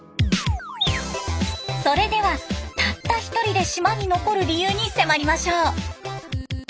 それではたった一人で島に残る理由に迫りましょう。